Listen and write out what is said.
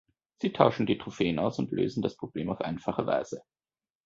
Sie tauschen die Trophäen aus und lösen das Problem auf einfache Weise.